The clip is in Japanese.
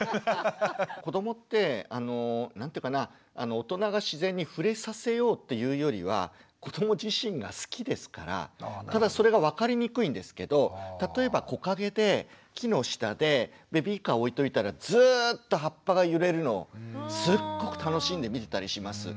子どもって何ていうかな大人が自然に触れさせようっていうよりは子ども自身が好きですからただそれが分かりにくいんですけど例えば木陰で木の下でベビーカーを置いといたらずっと葉っぱが揺れるのをすっごく楽しんで見てたりします。